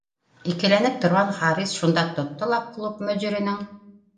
Икеләнеп торған Харис шунда тотто ла клуб мөдиренең